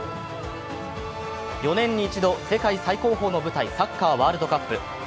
４年に一度世界最高峰の舞台サッカーワールドカップ。